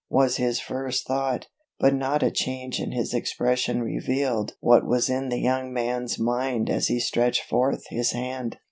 was his first thought, but not a change in his expression revealed what was in the young man's mind as he stretched forth his hand.